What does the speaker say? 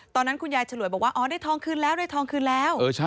ตอนนั้นคุณยายฉลวยบอกว่าอ๋อได้ทองคืนแล้วได้ทองคืนแล้ว